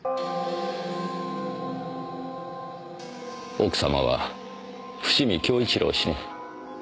奥様は伏見享一良氏の。